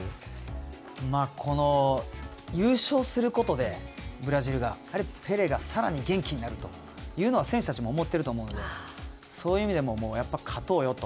優勝することでブラジルが、ペレがさらに元気になるというのは選手たちも思っていると思うのでそういう意味でもやっぱり勝とうよと。